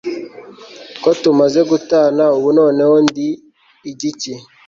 ko tumaze gutana, ubu noneho ndi igiki